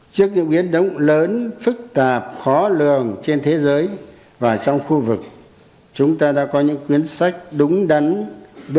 trước những biến động lớn phức tạp khó lường trên thế giới và trong khu vực chúng ta đã có những quyến sách đúng đắn